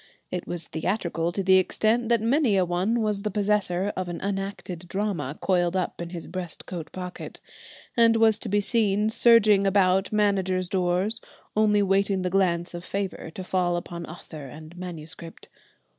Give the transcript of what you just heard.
It was theatrical to the extent that many a one was the possessor of an unacted drama coiled up in his breast coat pocket, and was to be seen surging about managers' doors, only waiting the glance of favour to fall upon author and manuscript.